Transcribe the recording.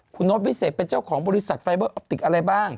คุณโน๊ตวิเศษเป็นเจ้าของบริษัทไฟเบอร์ออปติกอะไรบ้าง